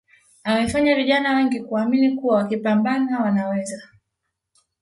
amefanya vijana wengi kuamini kuwa wakipambana Wanaweza